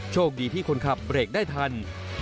โชคดีที่คนขับเบรกได้ทัน